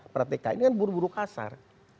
pratika ini kan buruh buruh kasar